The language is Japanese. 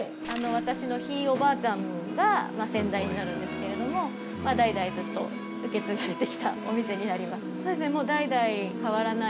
私のひいおばあちゃんが先代になるんですけれども代々ずっと受け継がれてきたお店になります。